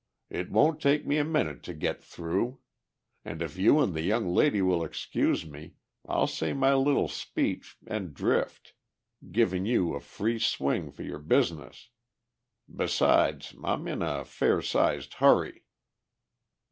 It won't take me a minute to get through. And if you and the young lady will excuse me I'll say my little speech and drift, giving you a free swing for your business. Besides, I'm in a fair sized hurry."